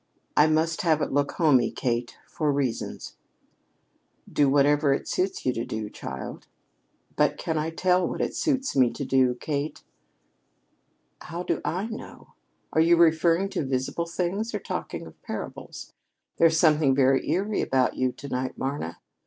"I must have it look homey, Kate for reasons." "Do whatever it suits you to do, child." "But can I tell you what it suits me to do, Kate?" "How do I know? Are you referring to visible things or talking in parables? There's something very eerie about you to night, Marna.